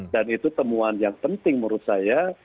dan itu temuan yang penting menurut saya